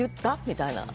みたいな。